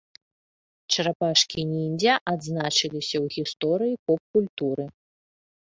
Чарапашкі-ніндзя адзначыліся ў гісторыі поп-культуры.